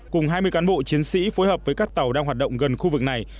cùng hai mươi cán bộ chiến sĩ phối hợp với các tàu đang hoạt động gần khu vực này